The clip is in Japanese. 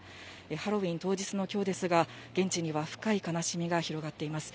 ハロウィーン当日のきょうですが、現地には深い悲しみが広がっています。